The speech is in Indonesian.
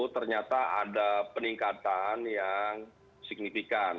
ternyata ada peningkatan yang signifikan